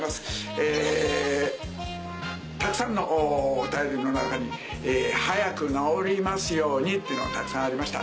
えたくさんのお便りの中に「早く治りますように」というのがたくさんありました。